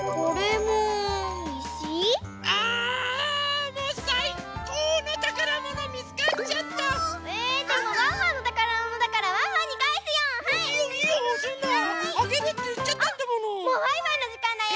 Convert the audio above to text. もうバイバイのじかんだよ！